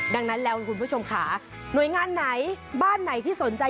ดังนั้นแล้วคุณผู้ชมค่ะหน่วยงานไหนบ้านไหนที่สนใจ